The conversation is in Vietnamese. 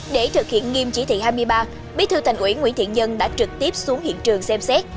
để thực hiện nghiêm chỉ thị hai mươi ba bí thư thành ủy nguyễn thiện nhân đã trực tiếp xuống hiện trường xem xét